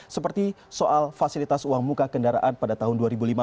seperti soal fasilitas uang muka kendaraan pada tahun dua ribu lima belas